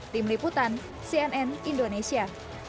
tim liputan cnn indonesia